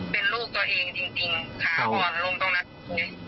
เป็นลูกตัวเองจริงขาอ่อนลงตรงนั้นไง